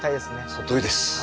そのとおりです。